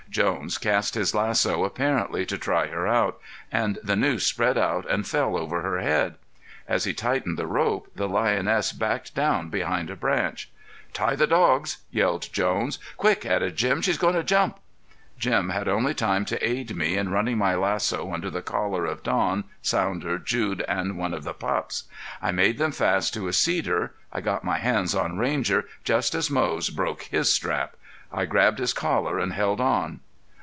Jones cast his lasso apparently to try her out, and the noose spread out and fell over her head. As he tightened the rope the lioness backed down behind a branch. "Tie the dogs!" yelled Jones. "Quick!" added Jim. "She's goin' to jump." Jim had only time to aid me in running my lasso under the collar of Don, Sounder, Jude and one of the pups. I made them fast to a cedar. I got my hands on Ranger just as Moze broke his strap. I grabbed his collar and held on.